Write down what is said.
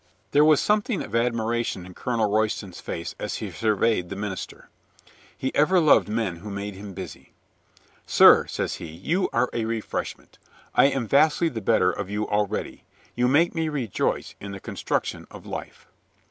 There was something of admiration in Colonel Royston's face as he surveyed the minister. He ever loved men who made him busy. "Sir," says he, "you are a refreshment. I am vastly the better of you already. You make me rejoice in the construc tion of life."